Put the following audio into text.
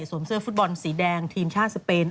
เสื้อฟุตบอลสีแดงทีมชาติสเปน